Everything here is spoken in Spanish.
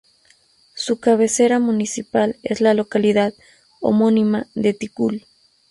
Su cabecera municipal es la localidad homónima de Ticul.